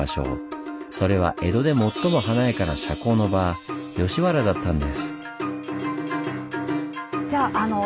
それは江戸で最も華やかな社交の場吉原だったんです。